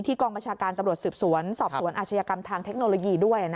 กองบัญชาการตำรวจสืบสวนสอบสวนอาชญากรรมทางเทคโนโลยีด้วย